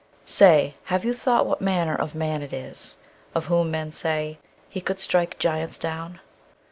Say, have you thought what manner of man it is Of whom men say "He could strike giants down"?